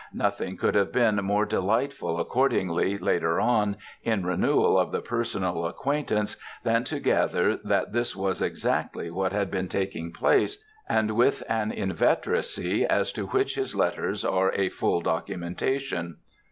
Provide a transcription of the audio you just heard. Nothing could have been more delightful accordingly, later on, in renewal of the personal acquaintance than to gather that this was exactly what had been taking place, and with an inveteracy as to which his letters are a full documentation.